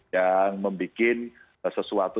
yang membuat sesuatu